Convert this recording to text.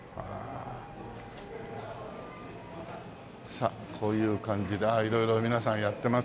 さあこういう感じで色々皆さんやってますね。